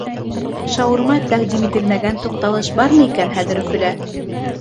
Шаурма тәҡдим ителмәгән туҡталыш бармы икән хәҙер Өфөлә?!